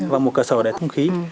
và một cửa sổ để thông khí